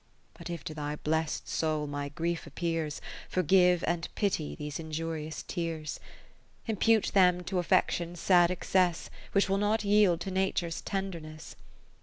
But if to thy blest soul my grief appears, Forgive and pity these injurious tears :( 531 ) M m 2 Impute them to Affection's sad excess, Which will not yield to Nature's tenderness.